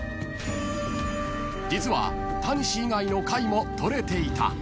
［実はタニシ以外の貝も採れていた］